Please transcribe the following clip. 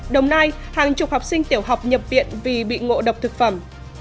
đồng nai hàng chục học sinh tiểu học nhập viện vì bị ngộ độc thực phẩm